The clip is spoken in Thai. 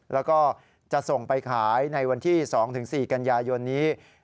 แล้วก็จะส่งไปขายในวันที่๒๔กันยายนนี้